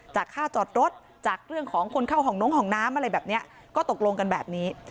ค่าจอดรถจากเรื่องของคนเข้าห้องน้องห้องน้ำอะไรแบบนี้ก็ตกลงกันแบบนี้